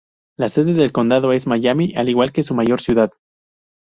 La sede del condado es Miami, al igual que su mayor ciudad.